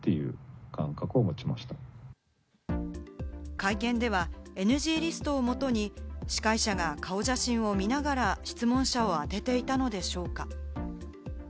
会見ではＮＧリストをもとに司会者が顔写真を見ながら質問者を当てていたのでしょうか？